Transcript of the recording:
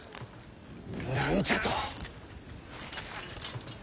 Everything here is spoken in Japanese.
何じゃと。